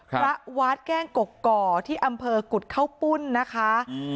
วัดแก้งกก่อที่อำเภอกุฎเข้าปุ้นนะคะ